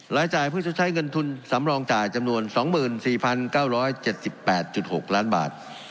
รายจ่ายเพื่อชดใช้เงินทุนสำรองจ่ายจำนวน๒๔๙๗๘๖ล้านบาท